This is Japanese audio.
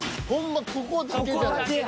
ここだけじゃない？